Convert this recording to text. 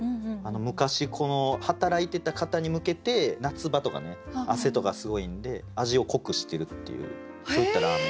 昔働いてた方に向けて夏場とかね汗とかすごいんで味を濃くしてるっていうそういったラーメン。